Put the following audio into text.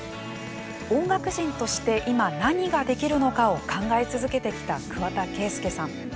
音楽人として今、何ができるのかを考え続けてきた桑田佳祐さん。